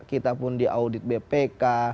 kita pun diaudit bpk